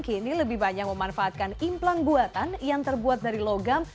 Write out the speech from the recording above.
kini lebih banyak memanfaatkan implang buatan yang terbuat dari logam